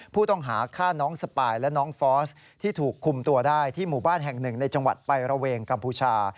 ผู้ต้องหาฆ่าน้องสปายและน้องฟอสที่ถูกคุมตัวได้ที่หมู่บ้านแห่งหนึ่งในจังหวัดไประเวงกัมพูชา